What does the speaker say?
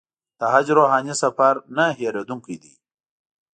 د حج روحاني سفر نه هېرېدونکی دی.